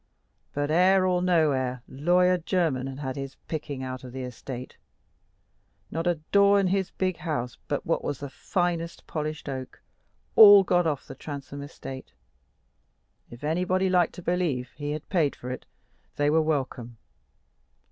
But heir or no heir, Lawyer Jermyn had had his picking out of the estate. Not a door in his big house but what was the finest polished oak, all got off the Transome estate. If anybody liked to believe he paid for it, they were welcome.